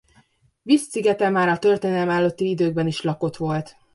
Vis szigete már a történelem előtti időkben is lakott volt.